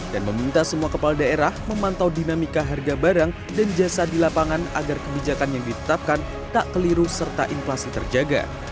dan meminta semua kepala daerah memantau dinamika harga barang dan jasa di lapangan agar kebijakan yang ditetapkan tak keliru serta inflasi terjaga